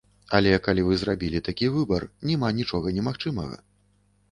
Але калі вы зрабілі такі выбар, няма нічога немагчымага.